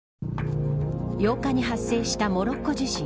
８日に発生したモロッコ地震。